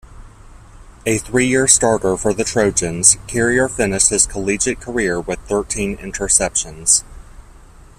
A three-year starter for the Trojans, Carrier finished his collegiate career with thirteen interceptions.